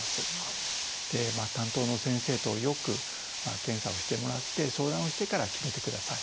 担当の先生とよく検査をしてもらって相談をしてから決めてください。